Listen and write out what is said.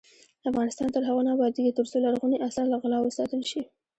افغانستان تر هغو نه ابادیږي، ترڅو لرغوني اثار له غلا وساتل شي.